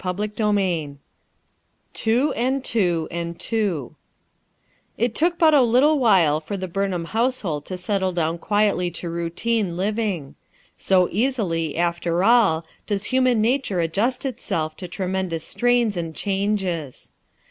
CHAPTER XXX "two, and two, and two" XT took but a little while for the Bumham J household to settle down quietly to routine living; so easily, after all, docs human nature adjust itself to tremendous strains and changes.